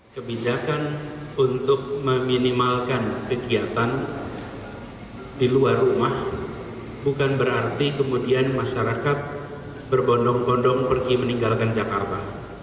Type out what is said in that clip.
kebijakan untuk meminimalkan kegiatan di luar rumah bukan berarti kemudian masyarakat berbondong bondong pergi meninggalkan jakarta